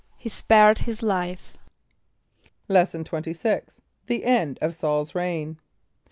=He spared his life.= Lesson XXVI. The End of Saul's Reign.